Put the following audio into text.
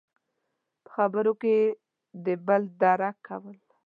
– په خبرو کې د بل درک کول.